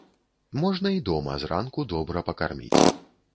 Можна і дома зранку добра пакарміць.